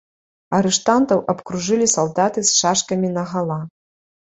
Арыштантаў абкружылі салдаты з шашкамі нагала.